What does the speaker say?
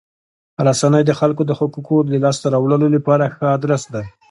رسنۍ د خلکو د حقوقو د لاسته راوړلو لپاره ښه ادرس دی.